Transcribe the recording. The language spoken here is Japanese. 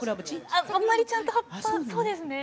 あんまりちゃんと葉っぱそうですね。